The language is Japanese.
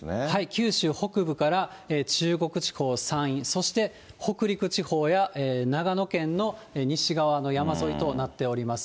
九州北部から中国地方、山陰、そして北陸地方や長野県の西側の山沿いとなっております。